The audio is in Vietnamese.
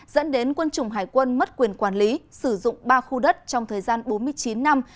dẫn đến quân chủng hải quân mất quyền quản lý sử dụng ba khu đất trong thời gian bốn mươi chín năm